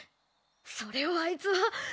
それをあいつは！